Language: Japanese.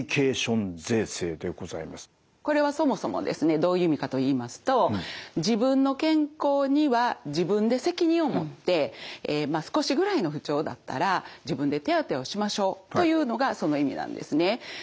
これはそもそもですねどういう意味かといいますと自分の健康には自分で責任を持って少しぐらいの不調だったら自分で手当てをしましょうというのがその意味なんですね。